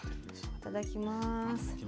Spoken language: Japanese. いただきます。